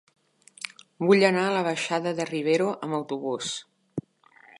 Vull anar a la baixada de Rivero amb autobús.